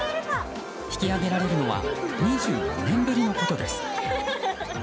引き上げられるのは２５年ぶりのことです。